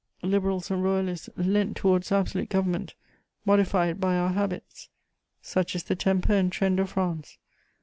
Liberals and Royalists leant towards absolute government, modified by our habits: such is the temper and trend of France.